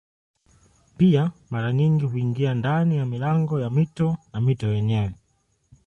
Pia mara nyingi huingia ndani ya milango ya mito na mito yenyewe.